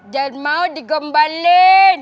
jangan mau digembalin